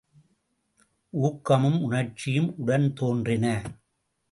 ஊக்கமும், உணர்ச்சியும் உடன் தோன்றின.